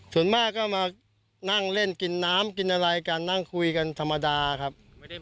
ส่วนมากก็มานั่งเล่นกินน้ำกินอะไรกันนั่งคุยกันธรรมดาครับ